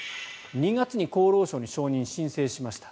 ２月に厚労省に承認を申請しました。